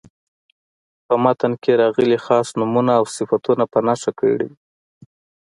په متن کې راغلي خاص نومونه او صفتونه په نښه کړئ.